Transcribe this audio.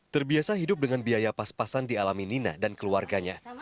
terbiasa hidup dengan biaya pas pasan dialami nina dan keluarganya